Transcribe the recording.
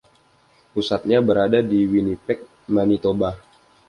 Pusatnya berada di Winnipeg Manitoba.